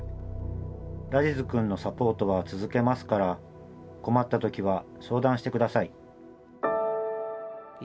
「ラジズくんのサポートは続けますから困ったときは相談してください」。